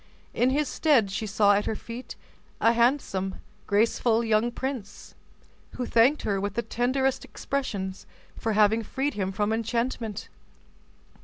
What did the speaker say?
In his stead she saw at her feet a handsome, graceful young prince, who thanked her with the tenderest expressions for having freed him from enchantment.